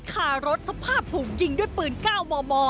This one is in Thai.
ขารถสภาพถูกยิงด้วยปืนก้าวมอ